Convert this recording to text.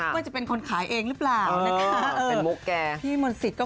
ว่าจะเป็นคนขายเองหรือเปล่านะคะ